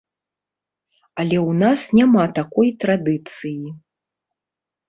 Але ў нас няма такой традыцыі.